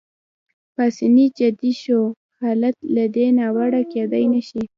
پاسیني جدي شو: حالت له دې ناوړه کېدای نه شي.